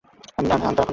আমি তার আপন ভাই।